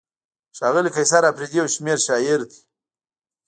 ښاغلی قیصر اپریدی یو شمېر شاعر دی.